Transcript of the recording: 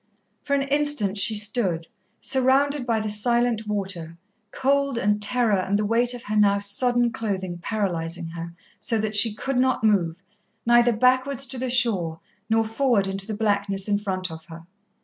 For an instant she stood, surrounded by the silent water, cold and terror and the weight of her now sodden clothing paralysing her, so that she could move neither backwards to the shore nor forward into the blackness in front of her.